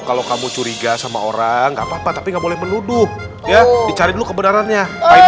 kalau kamu curiga sama orang nggak papa tapi nggak boleh menuduh ya dicari dulu kebenarannya